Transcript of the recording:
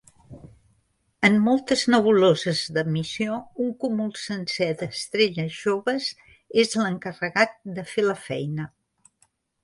En moltes nebuloses d'emissió, un cúmul sencer d'estrelles joves és l'encarregat de fer la feina.